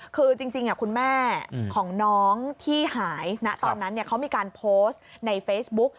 คือจริงคุณแม่ของน้องที่หายนะตอนนั้นเขามีการโพสต์ในเฟซบุ๊ก